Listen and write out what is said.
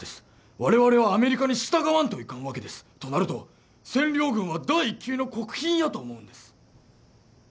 我々はアメリカに従わんといかんわけですとなると占領軍は第一級の国賓やと思うんです